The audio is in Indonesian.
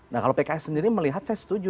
nah kalau pks sendiri melihat saya setuju